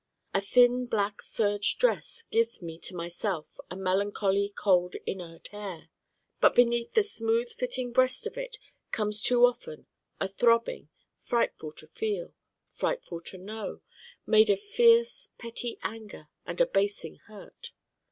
A thin black serge dress gives me to myself a melancholy cold inert air: but beneath the smooth fitting breast of it comes too often a throbbing frightful to feel, frightful to know, made of fierce petty anger and abasing hurt.